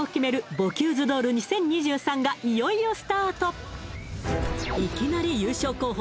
ボキューズ・ドール２０２３がいよいよスタートいきなり優勝候補